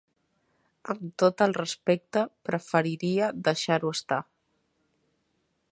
Amb tot el respecte, preferiria deixar-ho estar.